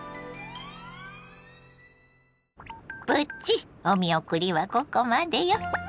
プチお見送りはここまでよ。